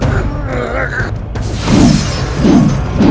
aku harus berhati hati